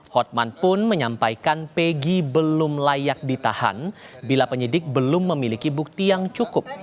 hotman pun menyampaikan pegi belum layak ditahan bila penyidik belum memiliki bukti yang cukup